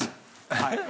はい。